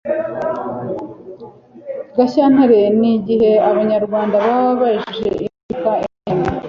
gashyantare ni igihe abanyarwanda baba bejeje imyaka inyuranye